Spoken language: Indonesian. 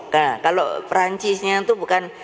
nah kalau perancisnya itu bukan